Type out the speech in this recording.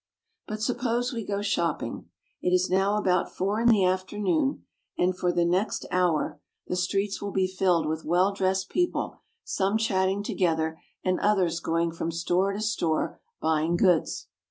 But suppose we go shopping. It is now about four in the afternoon, and for the next hour *' The business streets have awnings." 64 PERU. the streets will be filled with well dressed people, some chatting together, and others going from store to store buying goods.